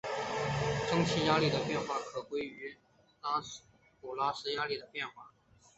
蒸气压力的变化可归因于拉普拉斯压力的变化。